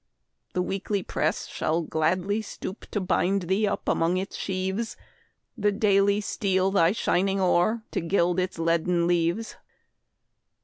The Weekly press shall gladly stoop To bind thee up among its sheaves; The Daily steal thy shining ore, To gild its leaden leaves.